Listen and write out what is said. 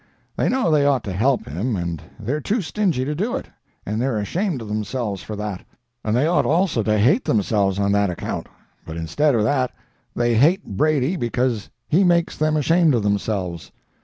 They know they ought to help him and they're too stingy to do it, and they're ashamed of themselves for that, and they ought also to hate themselves on that account, but instead of that they hate Brady because he makes them ashamed of themselves.